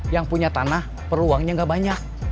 yang punya tanah perlu uangnya gak banyak